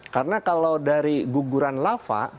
karena kalau dari guguran lava